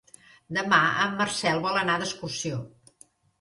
Demà en Marcel vol anar d'excursió.